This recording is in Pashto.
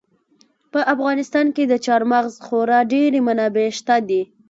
په افغانستان کې د چار مغز خورا ډېرې منابع شته دي.